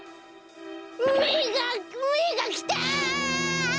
めがめがきた！